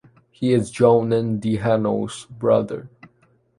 He is Johann Dinnendalh’s brother.